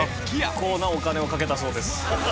結構なお金をかけたそうです。